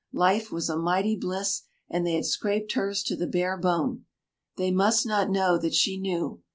Life was a mighty bliss, and they had scraped hers to the bare bone. They must not know that she knew.